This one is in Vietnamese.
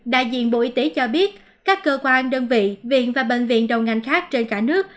đại diện bộ y tế cho biết các cơ quan đơn vị viện và bệnh viện đầu ngành khác trên cả nước